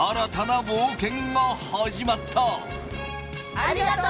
ありがとう！